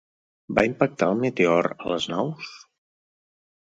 Va impactar el meteor a les naus?